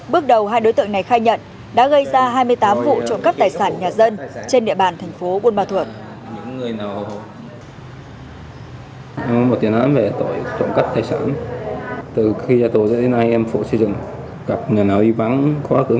bước đầu hai đối tượng này khai nhận đã gây ra hai mươi tám vụ trộm cắp tài sản nhà dân trên địa bàn tp bumathua